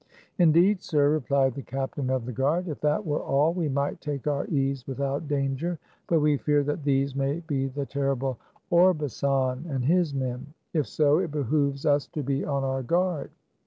" Indeed, sir," replied the captain of the guard, " if that were all, we might take our ease with out danger ; but we fear that these may be the terrible Orbasan and his men. If so, it behooves us to be on our guard."